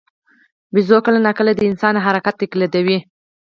بیزو کله ناکله د انسان حرکات تقلیدوي.